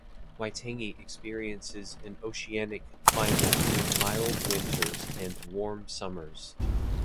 Waitangi experiences an oceanic climate with mild winters and warm summers.